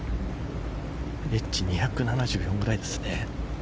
エッジまで２７４ぐらいですね。